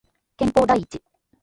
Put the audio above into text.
健康第一